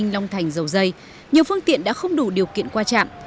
long thành dầu dây nhiều phương tiện đã không đủ điều kiện qua trạm